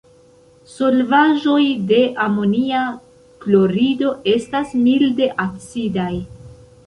Solvaĵoj de amonia klorido estas milde acidaj.